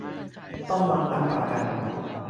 ต้องวางหลักประกัน